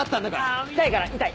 あ痛いから痛い。